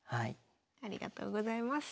ありがとうございます。